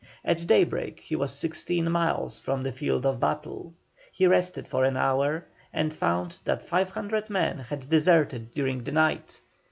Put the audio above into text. At daybreak he was sixteen miles from the field of battle. He rested for an hour, and found that 500 men had deserted during the night.